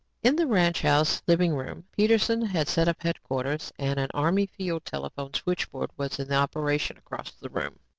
In the ranch house living room Peterson had set up headquarters and an Army field telephone switchboard was in operation across the room.